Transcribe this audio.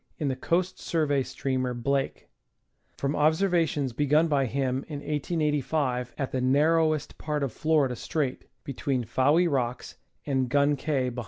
in the Coast Survey steamer Blake, from observ ations begun by him in 1885 at the narrowest part of Florida Strait, between Fowey Rocks and Gun Cay (Bah.)